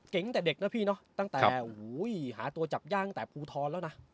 ตั้งแต่เด็กนะพี่เนอะตั้งแต่หาตัวจับย่างตั้งแต่ภูทรแล้วนะ